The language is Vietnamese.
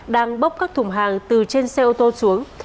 đang bốc các thùng hàng từ trên xe ô tô xuống